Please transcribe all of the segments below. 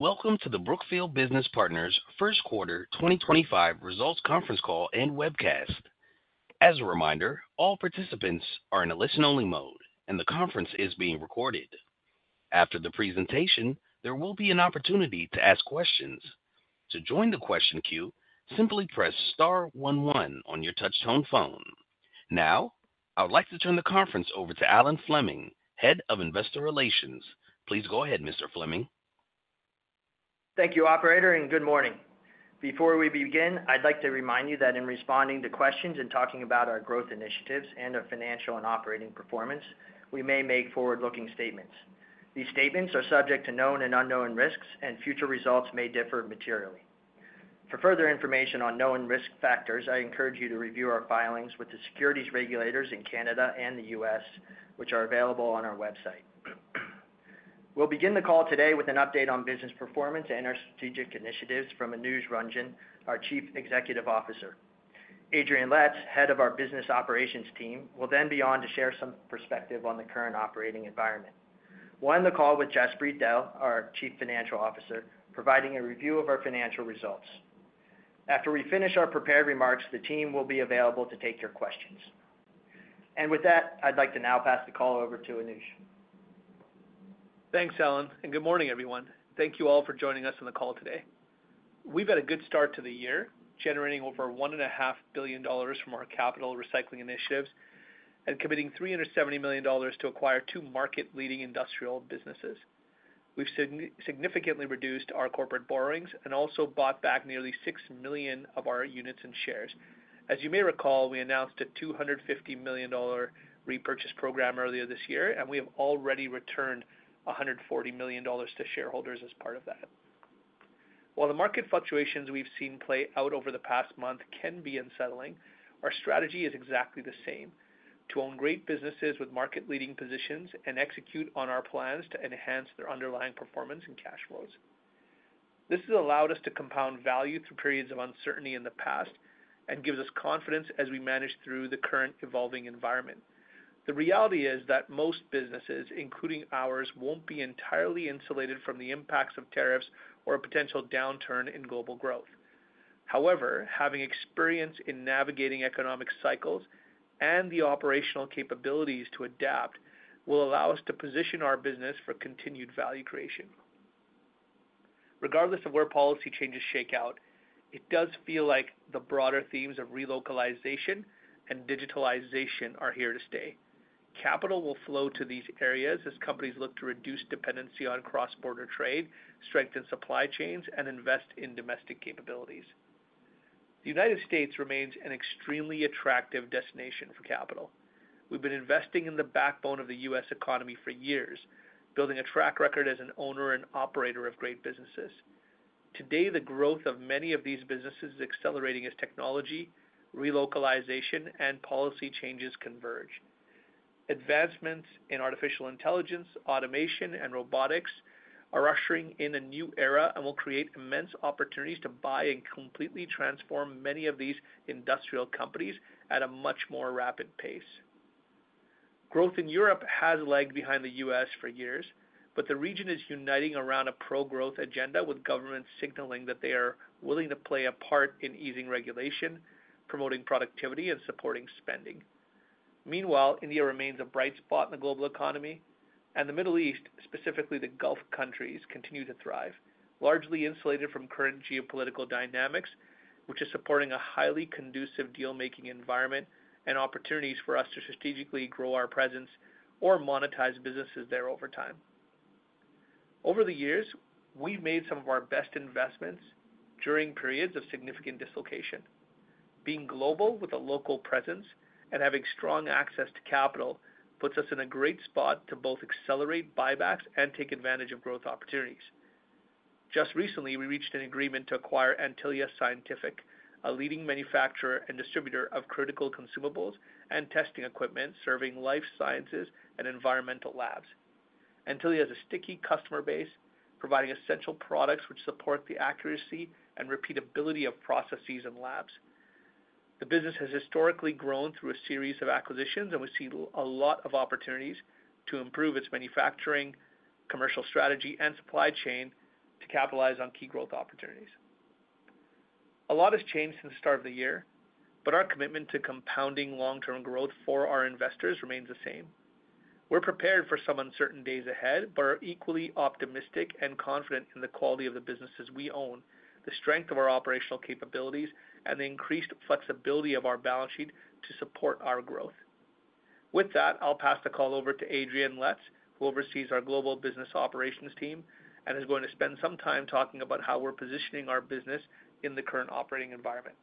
Welcome to the Brookfield Business Partners Q1 2025 Results Conference Call and Webcast. As a reminder, all participants are in a listen-only mode, and the conference is being recorded. After the presentation, there will be an opportunity to ask questions. To join the question queue, simply press star one one on your touch-tone phone. Now, I would like to turn the conference over to Alan Fleming, Head of Investor Relations. Please go ahead, Mr. Fleming. Thank you, Operator, and good morning. Before we begin, I'd like to remind you that in responding to questions and talking about our growth initiatives and our financial and operating performance, we may make forward-looking statements. These statements are subject to known and unknown risks, and future results may differ materially. For further information on known risk factors, I encourage you to review our filings with the securities regulators in Canada and the U.S., which are available on our website. We'll begin the call today with an update on business performance and our strategic initiatives from Anuj Ranjan, our Chief Executive Officer. Adrian Letts, Head of our Business Operations Team, will then be on to share some perspective on the current operating environment. We'll end the call with Jaspreet Dehl, our Chief Financial Officer, providing a review of our financial results. After we finish our prepared remarks, the team will be available to take your questions. With that, I'd like to now pass the call over to Anuj. Thanks, Alan, and good morning, everyone. Thank you all for joining us in the call today. We've had a good start to the year, generating over $1.5 billion from our capital recycling initiatives and committing $370 million to acquire two market-leading industrial businesses. We've significantly reduced our corporate borrowings and also bought back nearly 6 million of our units and shares. As you may recall, we announced a $250 million repurchase program earlier this year, and we have already returned $140 million to shareholders as part of that. While the market fluctuations we've seen play out over the past month can be unsettling, our strategy is exactly the same: to own great businesses with market-leading positions and execute on our plans to enhance their underlying performance and cash flows. This has allowed us to compound value through periods of uncertainty in the past and gives us confidence as we manage through the current evolving environment. The reality is that most businesses, including ours, will not be entirely insulated from the impacts of tariffs or a potential downturn in global growth. However, having experience in navigating economic cycles and the operational capabilities to adapt will allow us to position our business for continued value creation. Regardless of where policy changes shake out, it does feel like the broader themes of relocalization and digitalization are here to stay. Capital will flow to these areas as companies look to reduce dependency on cross-border trade, strengthen supply chains, and invest in domestic capabilities. The United States remains an extremely attractive destination for capital. We have been investing in the backbone of the US economy for years, building a track record as an owner and operator of great businesses. Today, the growth of many of these businesses is accelerating as technology, relocalization, and policy changes converge. Advancements in artificial intelligence, automation, and robotics are ushering in a new era and will create immense opportunities to buy and completely transform many of these industrial companies at a much more rapid pace. Growth in Europe has lagged behind the US for years, but the region is uniting around a pro-growth agenda, with governments signaling that they are willing to play a part in easing regulation, promoting productivity, and supporting spending. Meanwhile, India remains a bright spot in the global economy, and the Middle East, specifically the Gulf countries, continue to thrive, largely insulated from current geopolitical dynamics, which is supporting a highly conducive deal-making environment and opportunities for us to strategically grow our presence or monetize businesses there over time. Over the years, we've made some of our best investments during periods of significant dislocation. Being global with a local presence and having strong access to capital puts us in a great spot to both accelerate buybacks and take advantage of growth opportunities. Just recently, we reached an agreement to acquire Antylia Scientific, a leading manufacturer and distributor of critical consumables and testing equipment serving life sciences and environmental labs. Antylia has a sticky customer base, providing essential products which support the accuracy and repeatability of processes and labs. The business has historically grown through a series of acquisitions, and we see a lot of opportunities to improve its manufacturing, commercial strategy, and supply chain to capitalize on key growth opportunities. A lot has changed since the start of the year, but our commitment to compounding long-term growth for our investors remains the same. We're prepared for some uncertain days ahead, but are equally optimistic and confident in the quality of the businesses we own, the strength of our operational capabilities, and the increased flexibility of our balance sheet to support our growth. With that, I'll pass the call over to Adrian Letts, who oversees our Global Business Operations Team and is going to spend some time talking about how we're positioning our business in the current operating environment.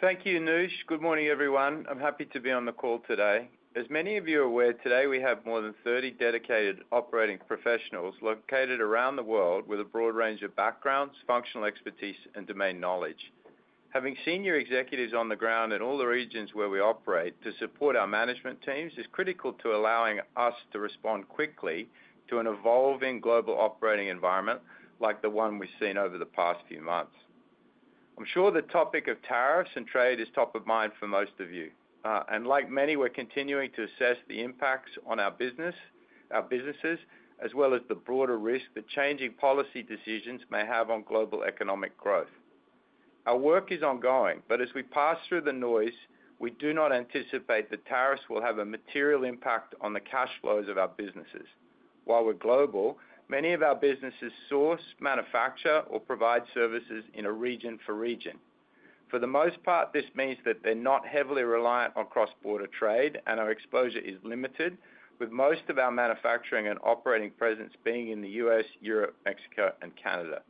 Thank you, Anuj. Good morning, everyone. I'm happy to be on the call today. As many of you are aware, today we have more than 30 dedicated operating professionals located around the world with a broad range of backgrounds, functional expertise, and domain knowledge. Having senior executives on the ground in all the regions where we operate to support our management teams is critical to allowing us to respond quickly to an evolving global operating environment like the one we've seen over the past few months. I'm sure the topic of tariffs and trade is top of mind for most of you. Like many, we're continuing to assess the impacts on our businesses, as well as the broader risk that changing policy decisions may have on global economic growth. Our work is ongoing, but as we pass through the noise, we do not anticipate that tariffs will have a material impact on the cash flows of our businesses. While we're global, many of our businesses source, manufacture, or provide services in a region for region. For the most part, this means that they're not heavily reliant on cross-border trade, and our exposure is limited, with most of our manufacturing and operating presence being in the US, Europe, Mexico, and Canada.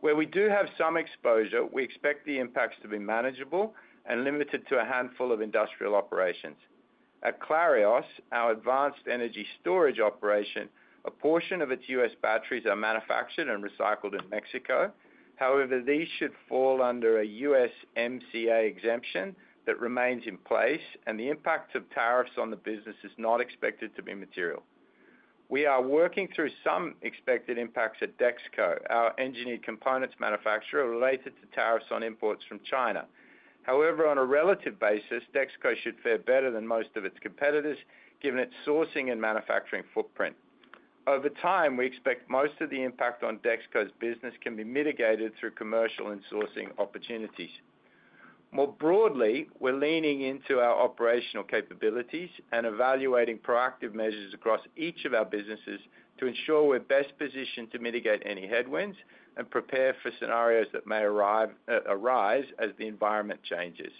Where we do have some exposure, we expect the impacts to be manageable and limited to a handful of industrial operations. At Clarios, our advanced energy storage operation, a portion of its U.S. batteries are manufactured and recycled in Mexico. However, these should fall under a USMCA exemption that remains in place, and the impact of tariffs on the business is not expected to be material. We are working through some expected impacts at DexKo, our engineered components manufacturer, related to tariffs on imports from China. However, on a relative basis, DexKo should fare better than most of its competitors, given its sourcing and manufacturing footprint. Over time, we expect most of the impact on DexKo's business can be mitigated through commercial and sourcing opportunities. More broadly, we're leaning into our operational capabilities and evaluating proactive measures across each of our businesses to ensure we're best positioned to mitigate any headwinds and prepare for scenarios that may arise as the environment changes.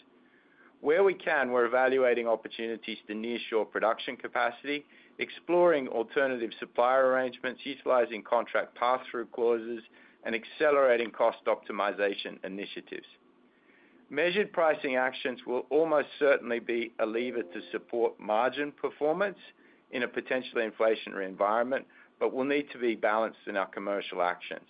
Where we can, we're evaluating opportunities to nearshore production capacity, exploring alternative supplier arrangements, utilizing contract pass-through clauses, and accelerating cost optimization initiatives. Measured pricing actions will almost certainly be a lever to support margin performance in a potentially inflationary environment, but will need to be balanced in our commercial actions.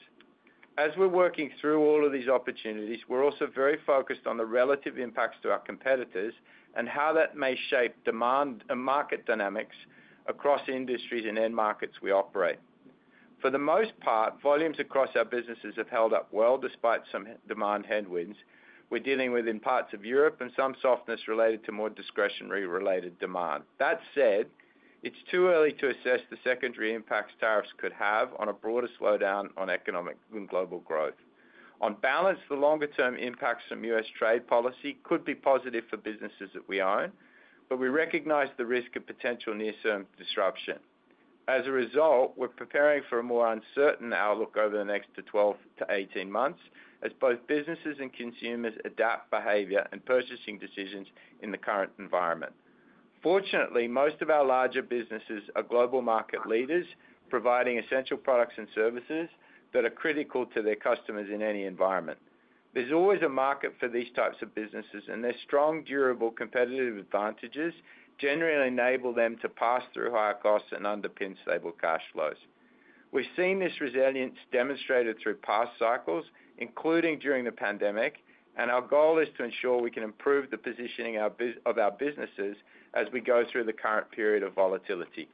As we're working through all of these opportunities, we're also very focused on the relative impacts to our competitors and how that may shape demand and market dynamics across industries and end markets we operate. For the most part, volumes across our businesses have held up well despite some demand headwinds. We're dealing with, in parts of Europe, some softness related to more discretionary-related demand. That said, it's too early to assess the secondary impacts tariffs could have on a broader slowdown on economic and global growth. On balance, the longer-term impacts from US trade policy could be positive for businesses that we own, but we recognize the risk of potential near-term disruption. As a result, we're preparing for a more uncertain outlook over the next 12 to 18 months as both businesses and consumers adapt behavior and purchasing decisions in the current environment. Fortunately, most of our larger businesses are global market leaders, providing essential products and services that are critical to their customers in any environment. There is always a market for these types of businesses, and their strong, durable competitive advantages generally enable them to pass through higher costs and underpin stable cash flows. We have seen this resilience demonstrated through past cycles, including during the pandemic, and our goal is to ensure we can improve the positioning of our businesses as we go through the current period of volatility.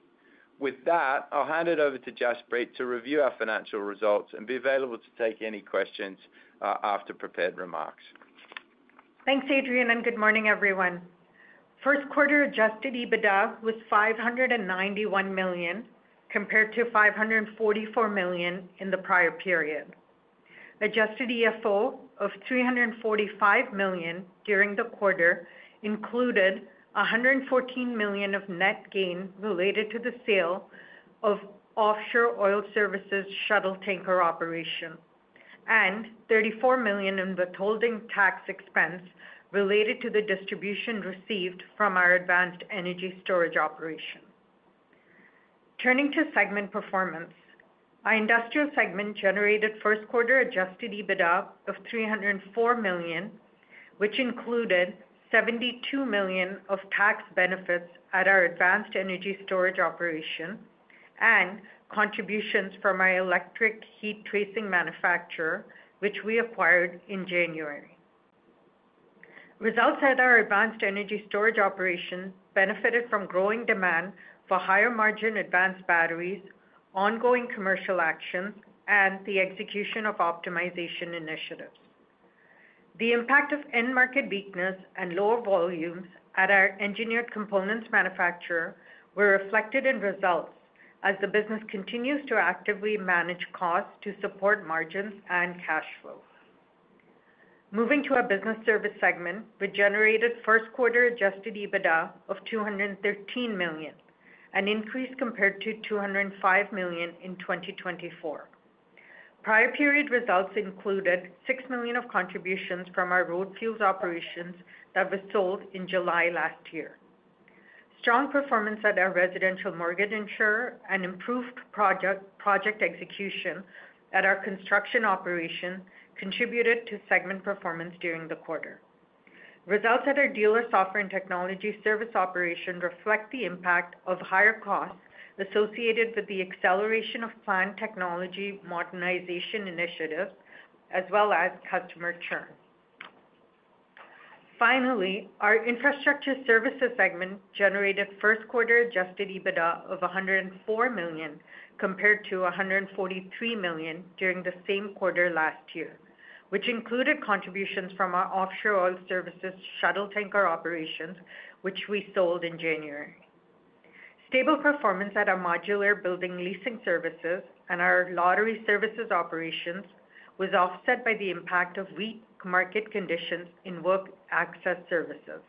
With that, I will hand it over to Jaspreet to review our financial results and be available to take any questions after prepared remarks. Thanks, Adrian, and good morning, everyone. Q1 adjusted EBITDA was $591 million compared to $544 million in the prior period. Adjusted EFO of $345 million during the quarter included $114 million of net gain related to the sale of offshore oil services shuttle tanker operation and $34 million in withholding tax expense related to the distribution received from our advanced energy storage operation. Turning to segment performance, our industrial segment generated Q1 adjusted EBITDA of $304 million, which included $72 million of tax benefits at our advanced energy storage operation and contributions from our electric heat tracing manufacturer, which we acquired in January. Results at our advanced energy storage operation benefited from growing demand for higher-margin advanced batteries, ongoing commercial actions, and the execution of optimization initiatives. The impact of end market weakness and lower volumes at our engineered components manufacturer were reflected in results as the business continues to actively manage costs to support margins and cash flow. Moving to our business service segment, we generated Q1 adjusted EBITDA of $213 million, an increase compared to $205 million in 2024. Prior period results included $6 million of contributions from our road fuels operations that were sold in July last year. Strong performance at our residential mortgage insurer and improved project execution at our construction operation contributed to segment performance during the quarter. Results at our dealer software and technology service operation reflect the impact of higher costs associated with the acceleration of planned technology modernization initiatives, as well as customer churn. Finally, our infrastructure services segment generated Q1 adjusted EBITDA of $104 million compared to $143 million during the same quarter last year, which included contributions from our offshore oil services shuttle tanker operations, which we sold in January. Stable performance at our modular building leasing services and our lottery services operations was offset by the impact of weak market conditions in work access services.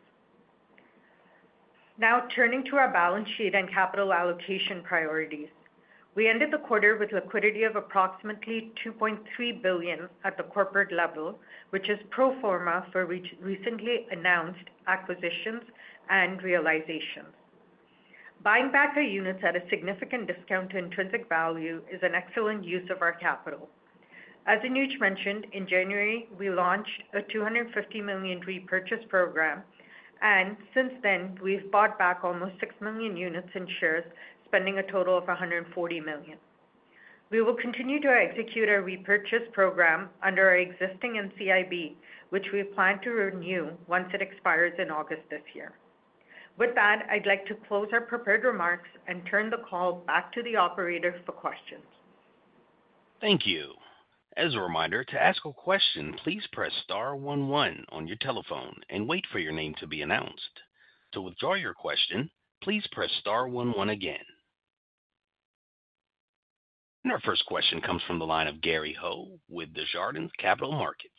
Now, turning to our balance sheet and capital allocation priorities, we ended the quarter with liquidity of approximately $2.3 billion at the corporate level, which is pro forma for recently announced acquisitions and realizations. Buying back our units at a significant discount to intrinsic value is an excellent use of our capital. As Anuj mentioned, in January, we launched a $250 million repurchase program, and since then, we've bought back almost 6 million units in shares, spending a total of $140 million. We will continue to execute our repurchase program under our existing NCIB, which we plan to renew once it expires in August this year. With that, I'd like to close our prepared remarks and turn the call back to the operator for questions. Thank you. As a reminder, to ask a question, please press star one one on your telephone and wait for your name to be announced. To withdraw your question, please press star one one again. Our first question comes from the line of Gary Ho with Desjardins Capital Markets.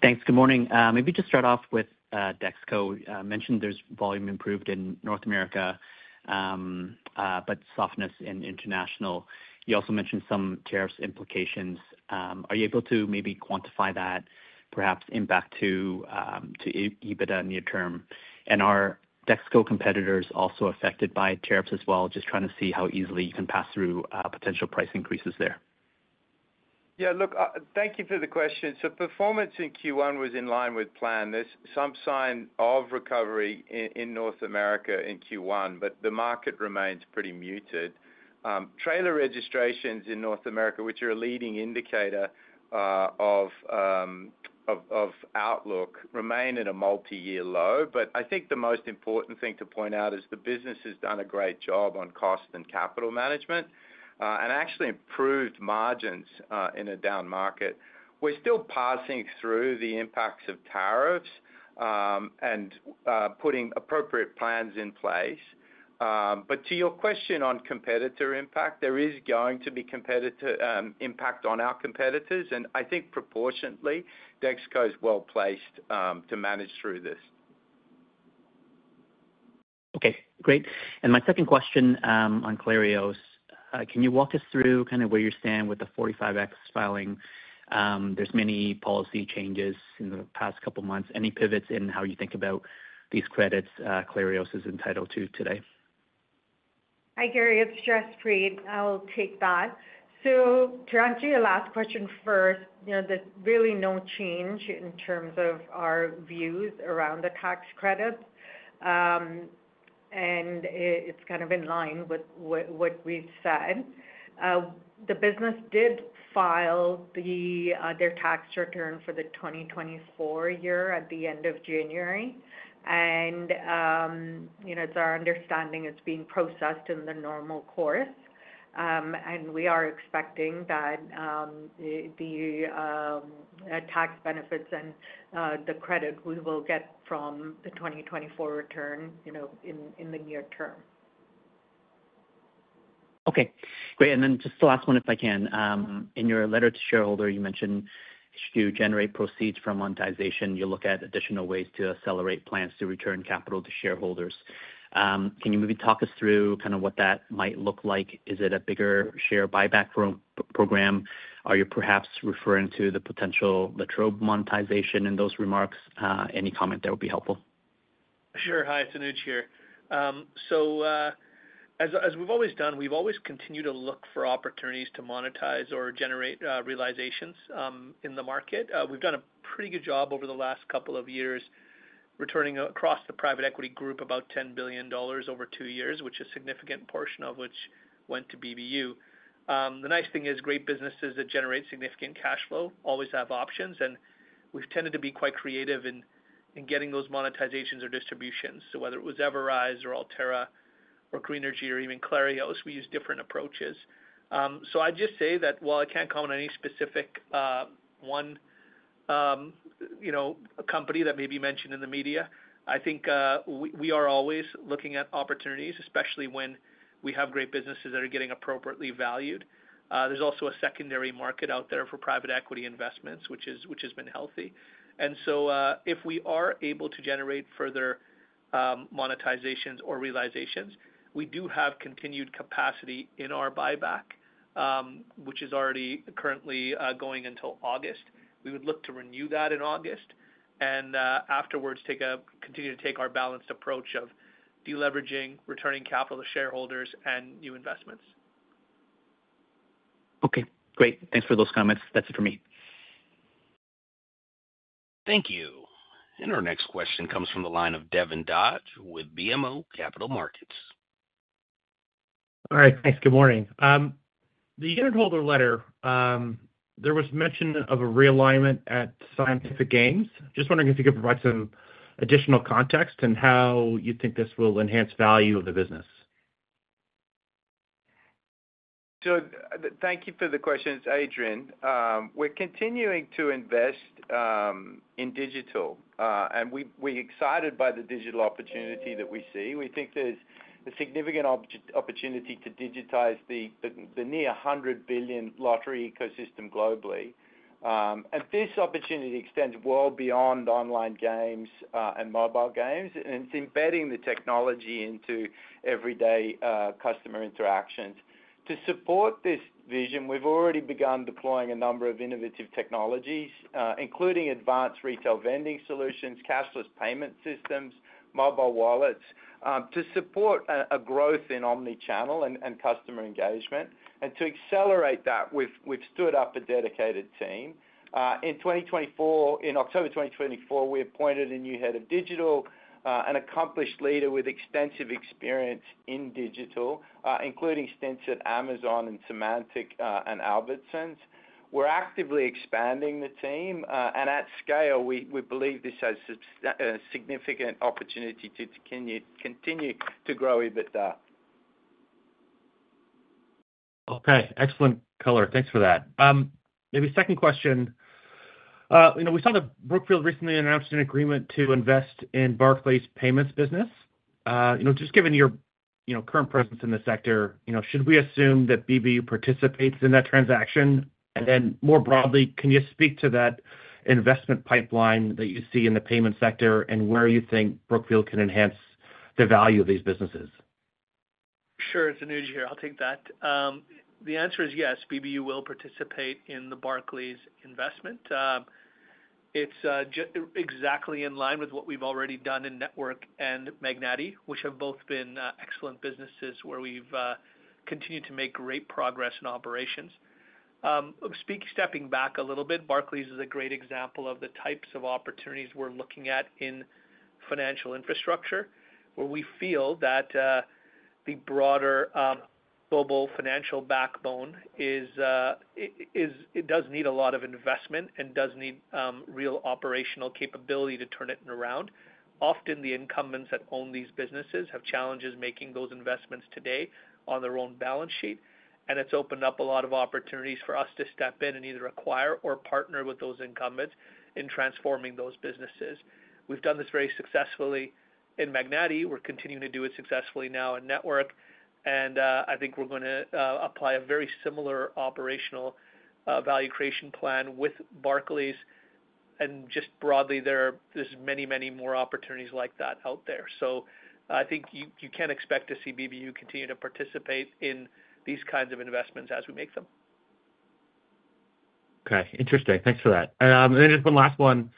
Thanks. Good morning. Maybe to start off with DexKo, you mentioned there's volume improved in North America, but softness in international. You also mentioned some tariffs implications. Are you able to maybe quantify that perhaps impact to EBITDA near term? Are DexKo competitors also affected by tariffs as well? Just trying to see how easily you can pass through potential price increases there. Yeah, look, thank you for the question. Performance in Q1 was in line with plan. There's some sign of recovery in North America in Q1, but the market remains pretty muted. Trailer registrations in North America, which are a leading indicator of outlook, remain at a multi-year low. I think the most important thing to point out is the business has done a great job on cost and capital management and actually improved margins in a down market. We're still passing through the impacts of tariffs and putting appropriate plans in place. To your question on competitor impact, there is going to be competitor impact on our competitors. I think proportionately, DexKo is well placed to manage through this. Okay, great. My second question on Clarios, can you walk us through kind of where you're standing with the 45X filing? There's many policy changes in the past couple of months. Any pivots in how you think about these credits Clarios is entitled to today? Hi, Gary. It's Jaspreet. I'll take that. To answer your last question first, there's really no change in terms of our views around the tax credits. It's kind of in line with what we've said. The business did file their tax return for the 2024 year at the end of January. It's our understanding it's being processed in the normal course. We are expecting that the tax benefits and the credit we will get from the 2024 return in the near term. Okay, great. Just the last one, if I can. In your letter to shareholders, you mentioned you generate proceeds from monetization. You look at additional ways to accelerate plans to return capital to shareholders. Can you maybe talk us through kind of what that might look like? Is it a bigger share buyback program? Are you perhaps referring to the potential La Trobe monetization in those remarks? Any comment there would be helpful. Sure. Hi, it's Anuj here. As we've always done, we've always continued to look for opportunities to monetize or generate realizations in the market. We've done a pretty good job over the last couple of years returning across the private equity group about $10 billion over two years, which is a significant portion of which went to BBU. The nice thing is great businesses that generate significant cash flow always have options. We've tended to be quite creative in getting those monetizations or distributions. Whether it was Everise or Altera or Greenergy or even Clarios, we used different approaches. I'd just say that while I can't comment on any specific one company that may be mentioned in the media, I think we are always looking at opportunities, especially when we have great businesses that are getting appropriately valued. There is also a secondary market out there for private equity investments, which has been healthy. If we are able to generate further monetizations or realizations, we do have continued capacity in our buyback, which is already currently going until August. We would look to renew that in August and afterwards continue to take our balanced approach of deleveraging, returning capital to shareholders, and new investments. Okay, great. Thanks for those comments. That's it for me. Thank you. Our next question comes from the line of Devin Dodge with BMO Capital Markets. All right, thanks. Good morning. The unit holder letter, there was mention of a realignment at Scientific Games. Just wondering if you could provide some additional context and how you think this will enhance value of the business. Thank you for the question, Adrian. We're continuing to invest in digital, and we're excited by the digital opportunity that we see. We think there's a significant opportunity to digitize the near $100 billion lottery ecosystem globally. This opportunity extends well beyond online games and mobile games, and it's embedding the technology into everyday customer interactions. To support this vision, we've already begun deploying a number of innovative technologies, including advanced retail vending solutions, cashless payment systems, mobile wallets to support a growth in omnichannel and customer engagement. To accelerate that, we've stood up a dedicated team. In October 2024, we appointed a new Head of Digital, an accomplished leader with extensive experience in digital, including stints at Amazon, Symantec, and Albertsons. We're actively expanding the team. At scale, we believe this has a significant opportunity to continue to grow EBITDA. Okay, excellent color. Thanks for that. Maybe second question. We saw that Brookfield recently announced an agreement to invest in Barclays payments business. Just given your current presence in the sector, should we assume that BBU participates in that transaction? More broadly, can you speak to that investment pipeline that you see in the payment sector and where you think Brookfield can enhance the value of these businesses? Sure. It's Anuj here. I'll take that. The answer is yes. BBU will participate in the Barclays investment. It's exactly in line with what we've already done in Network and Magnati, which have both been excellent businesses where we've continued to make great progress in operations. Stepping back a little bit, Barclays is a great example of the types of opportunities we're looking at in financial infrastructure, where we feel that the broader global financial backbone does need a lot of investment and does need real operational capability to turn it around. Often, the incumbents that own these businesses have challenges making those investments today on their own balance sheet. It's opened up a lot of opportunities for us to step in and either acquire or partner with those incumbents in transforming those businesses. We've done this very successfully in Magnati. We're continuing to do it successfully now in Network. I think we're going to apply a very similar operational value creation plan with Barclays. Just broadly, there's many, many more opportunities like that out there. I think you can expect to see BBU continue to participate in these kinds of investments as we make them. Okay, interesting. Thanks for that. Just one last one.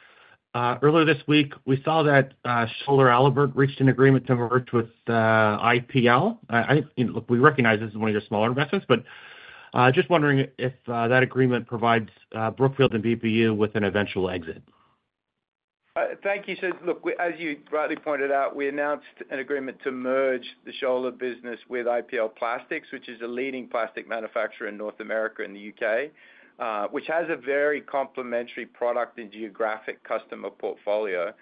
Earlier this week, we saw that Schoeller Allibert reached an agreement to merge with IPL. We recognize this is one of your smaller investments, but just wondering if that agreement provides Brookfield and BBU with an eventual exit. Thank you. As you rightly pointed out, we announced an agreement to merge the Schoeller business with IPL Plastics, which is a leading plastic manufacturer in North America and the UK, which has a very complementary product and geographic customer portfolio.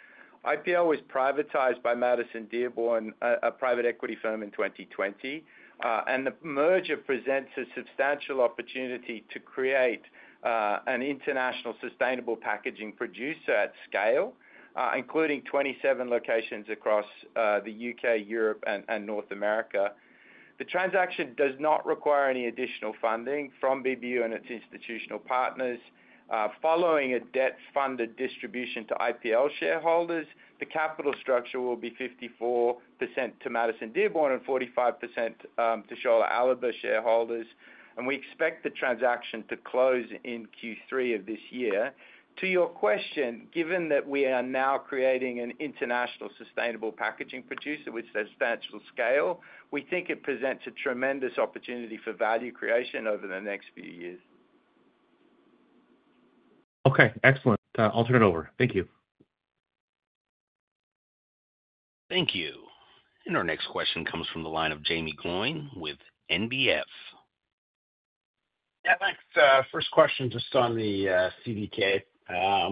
IPL was privatized by Madison Dearborn, a private equity firm, in 2020. The merger presents a substantial opportunity to create an international sustainable packaging producer at scale, including 27 locations across the UK, Europe, and North America. The transaction does not require any additional funding from BBU and its institutional partners. Following a debt-funded distribution to IPL shareholders, the capital structure will be 54% to Madison Dearborn and 45% to Schoeller Allibert shareholders. We expect the transaction to close in Q3 of this year. To your question, given that we are now creating an international sustainable packaging producer with substantial scale, we think it presents a tremendous opportunity for value creation over the next few years. Okay, excellent. I'll turn it over. Thank you. Thank you. Our next question comes from the line of Jaeme Gloyn with NBF. Yeah, thanks. First question just on the CDK. I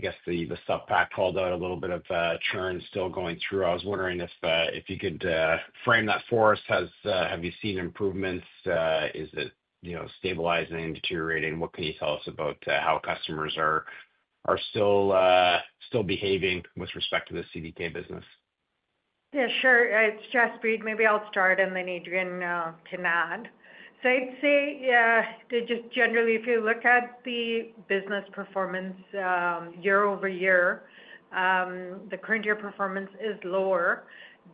guess the subpack called out a little bit of churn still going through. I was wondering if you could frame that for us. Have you seen improvements? Is it stabilizing, deteriorating? What can you tell us about how customers are still behaving with respect to the CDK business? Yeah, sure. It's Jaspreet. Maybe I'll start, and then Adrian can add. I'd say just generally, if you look at the business performance year-over-year, the current year performance is lower.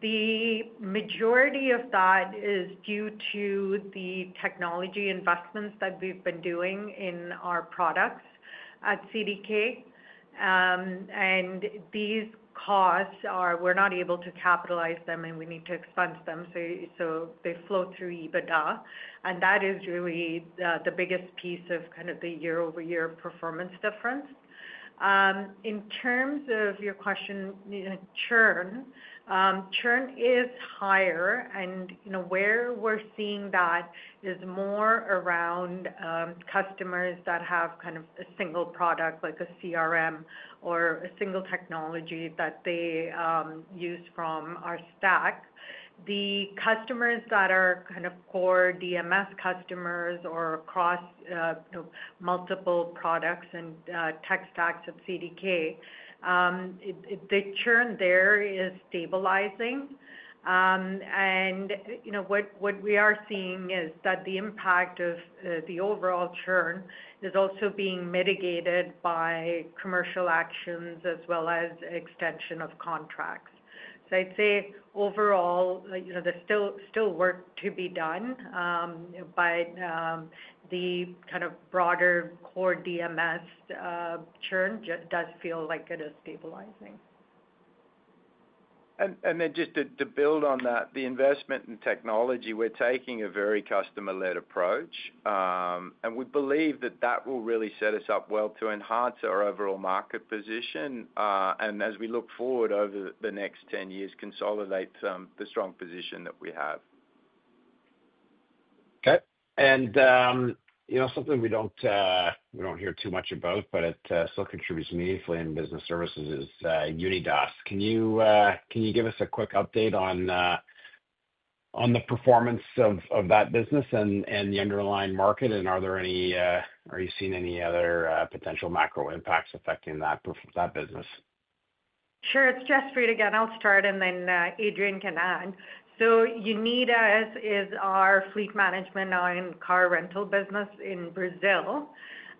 The majority of that is due to the technology investments that we've been doing in our products at CDK. These costs, we're not able to capitalize them, and we need to expense them. They flow through EBITDA. That is really the biggest piece of kind of the year-over-year performance difference. In terms of your question, churn, churn is higher. Where we're seeing that is more around customers that have kind of a single product like a CRM or a single technology that they use from our stack. The customers that are kind of core DMS customers or across multiple products and tech stacks at CDK, the churn there is stabilizing. What we are seeing is that the impact of the overall churn is also being mitigated by commercial actions as well as extension of contracts. I'd say overall, there's still work to be done. The kind of broader core DMS churn does feel like it is stabilizing. Just to build on that, the investment in technology, we're taking a very customer-led approach. We believe that that will really set us up well to enhance our overall market position and, as we look forward over the next 10 years, consolidate the strong position that we have. Okay. Something we do not hear too much about, but it still contributes meaningfully in business services, is Unidas. Can you give us a quick update on the performance of that business and the underlying market? Are you seeing any other potential macro impacts affecting that business? Sure. It's Jaspreet again. I'll start, and then Adrian can add. Unidas is our fleet management and car rental business in Brazil.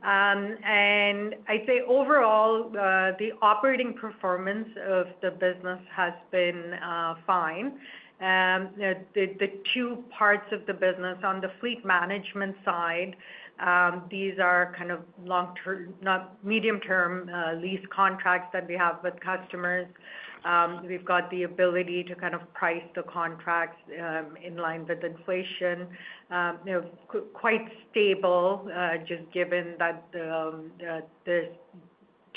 I'd say overall, the operating performance of the business has been fine. The two parts of the business on the fleet management side, these are kind of medium-term lease contracts that we have with customers. We've got the ability to kind of price the contracts in line with inflation. Quite stable, just given that there's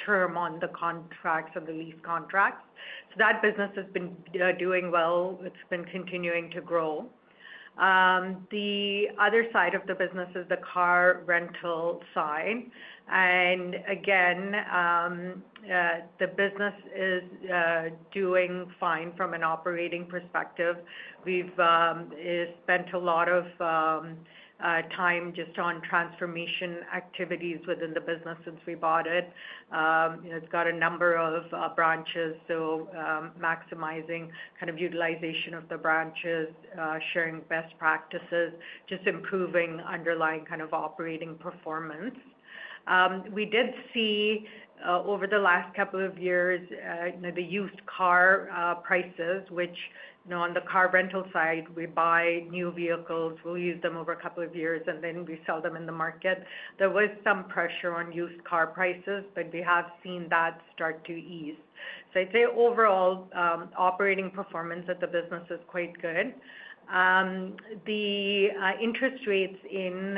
term on the contracts and the lease contracts. That business has been doing well. It's been continuing to grow. The other side of the business is the car rental side. Again, the business is doing fine from an operating perspective. We've spent a lot of time just on transformation activities within the business since we bought it. It's got a number of branches, so maximizing kind of utilization of the branches, sharing best practices, just improving underlying kind of operating performance. We did see over the last couple of years the used car prices, which on the car rental side, we buy new vehicles, we'll use them over a couple of years, and then we sell them in the market. There was some pressure on used car prices, but we have seen that start to ease. I'd say overall, operating performance of the business is quite good. The interest rates in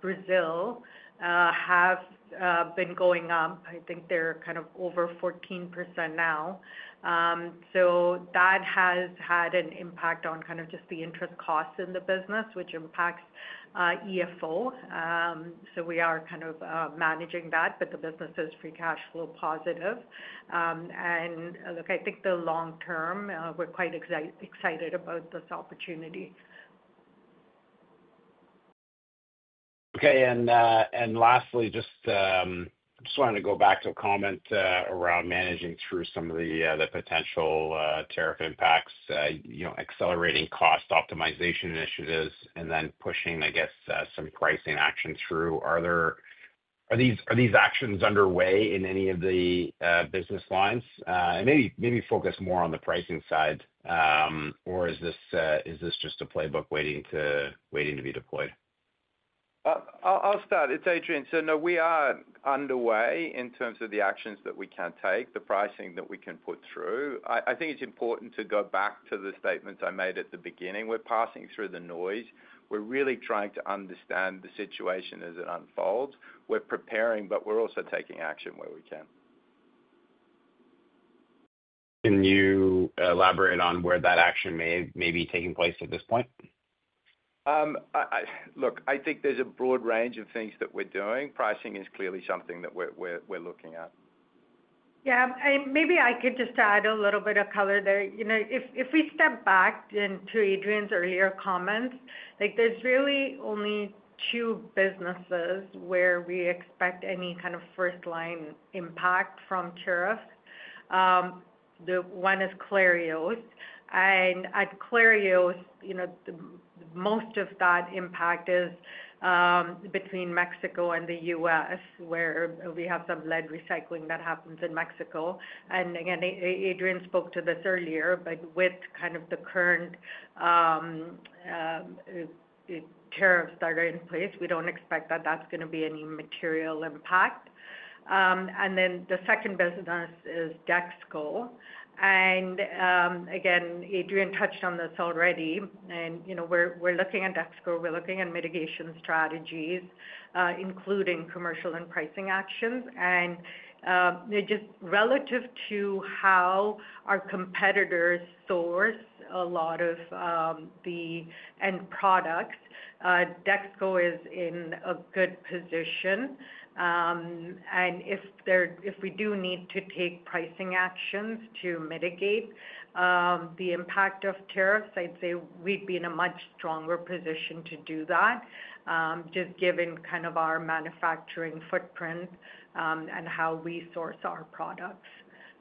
Brazil have been going up. I think they're kind of over 14% now. That has had an impact on kind of just the interest costs in the business, which impacts EFO. We are kind of managing that, but the business is free cash flow positive. Look, I think the long term, we're quite excited about this opportunity. Okay. Lastly, I just wanted to go back to a comment around managing through some of the potential tariff impacts, accelerating cost optimization initiatives, and then pushing, I guess, some pricing action through. Are these actions underway in any of the business lines? Maybe focus more on the pricing side, or is this just a playbook waiting to be deployed? I'll start. It's Adrian. No, we are underway in terms of the actions that we can take, the pricing that we can put through. I think it's important to go back to the statements I made at the beginning. We're passing through the noise. We're really trying to understand the situation as it unfolds. We're preparing, but we're also taking action where we can. Can you elaborate on where that action may be taking place at this point? Look, I think there's a broad range of things that we're doing. Pricing is clearly something that we're looking at. Yeah. Maybe I could just add a little bit of color there. If we step back to Adrian's earlier comments, there's really only two businesses where we expect any kind of first-line impact from tariffs. One is Clarios. At Clarios, most of that impact is between Mexico and the U.S., where we have some lead recycling that happens in Mexico. Again, Adrian spoke to this earlier, but with kind of the current tariffs that are in place, we don't expect that that's going to be any material impact. The second business is DexKo. Again, Adrian touched on this already. When we're looking at DexKo, we're looking at mitigation strategies, including commercial and pricing actions. Just relative to how our competitors source a lot of the end products, DexKo is in a good position. If we do need to take pricing actions to mitigate the impact of tariffs, I'd say we'd be in a much stronger position to do that, just given kind of our manufacturing footprint and how we source our products.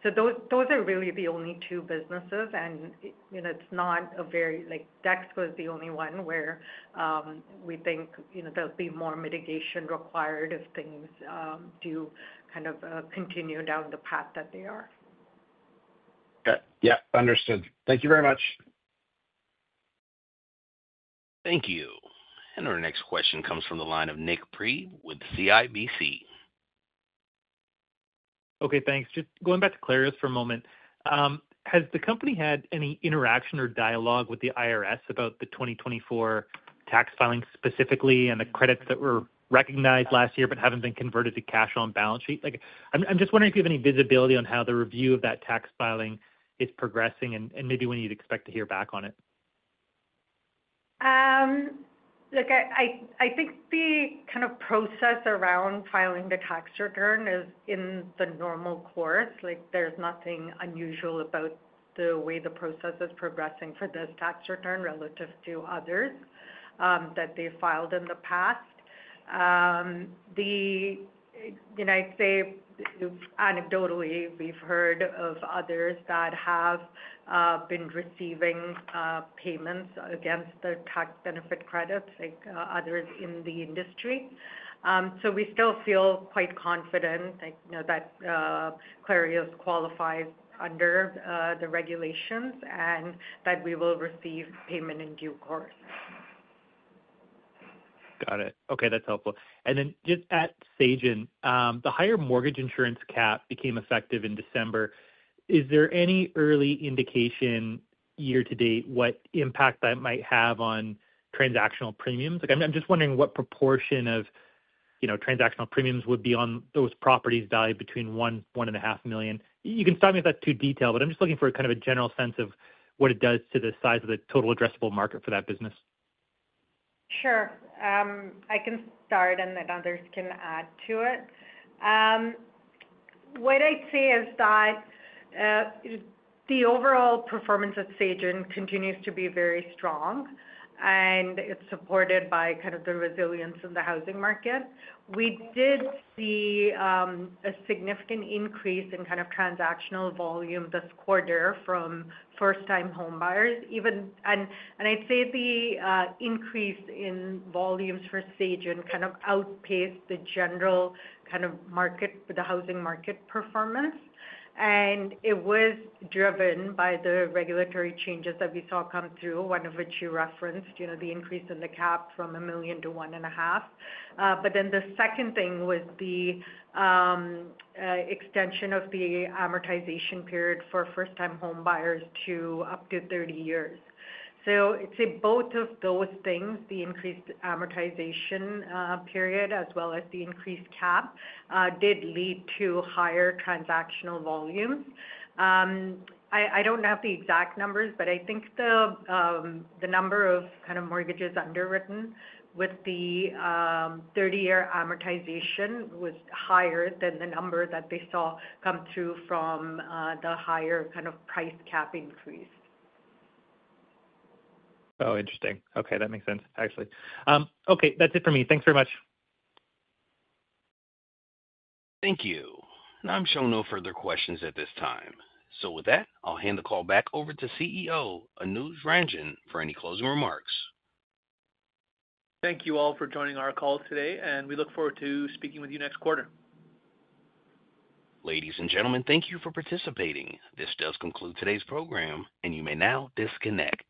Those are really the only two businesses. It is not a very, like DexKo is the only one where we think there will be more mitigation required if things do kind of continue down the path that they are. Okay. Yeah. Understood. Thank you very much. Thank you. Our next question comes from the line of Nik Priebe with CIBC. Okay. Thanks. Just going back to Clarios for a moment. Has the company had any interaction or dialogue with the IRS about the 2024 tax filing specifically on the credits that were recognized last year but haven't been converted to cash on balance sheet? I'm just wondering if you have any visibility on how the review of that tax filing is progressing and maybe when you'd expect to hear back on it? Look, I think the kind of process around filing the tax return is in the normal course. There's nothing unusual about the way the process is progressing for this tax return relative to others that they filed in the past. I'd say anecdotally, we've heard of others that have been receiving payments against the tax benefit credits like others in the industry. We still feel quite confident that Clarios qualifies under the regulations and that we will receive payment in due course. Got it. Okay. That's helpful. Just at Sagen, the higher mortgage insurance cap became effective in December. Is there any early indication year to date what impact that might have on transactional premiums? I'm just wondering what proportion of transactional premiums would be on those properties valued between $1.5 million. You can stop me if that's too detailed, but I'm just looking for kind of a general sense of what it does to the size of the total addressable market for that business. Sure. I can start, and then others can add to it. What I'd say is that the overall performance at Sagen continues to be very strong, and it's supported by kind of the resilience of the housing market. We did see a significant increase in kind of transactional volume this quarter from first-time home buyers. I'd say the increase in volumes for Sagen kind of outpaced the general kind of housing market performance. It was driven by the regulatory changes that we saw come through, one of which you referenced, the increase in the cap from $1 million to $1.5 million. The second thing was the extension of the amortization period for first-time home buyers to up to 30 years. I'd say both of those things, the increased amortization period as well as the increased cap, did lead to higher transactional volumes. I don't have the exact numbers, but I think the number of kind of mortgages underwritten with the 30-year amortization was higher than the number that they saw come through from the higher kind of price cap increase. Oh, interesting. Okay. That makes sense, actually. Okay. That's it for me. Thanks very much. Thank you. I'm showing no further questions at this time. With that, I'll hand the call back over to CEO Anuj Ranjan for any closing remarks. Thank you all for joining our call today, and we look forward to speaking with you next quarter. Ladies and gentlemen, thank you for participating. This does conclude today's program, and you may now disconnect.